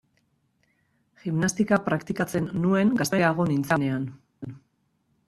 Gimnastika praktikatzen nuen gazteago nintzenean.